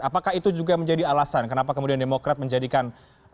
apakah itu juga menjadi alasan kenapa kemudian demokrat menjadikan